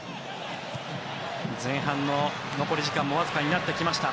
前半の残り時間もわずかになってきました。